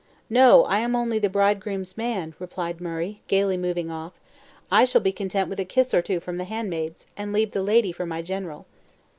"No, I am only the bridegroom's man!" replied Murray, gayly moving off; "I shall be content with a kiss or two from the handmaids, and leave the lady for my general."